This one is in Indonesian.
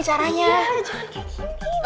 oke berarti gue harus berhenti nih ya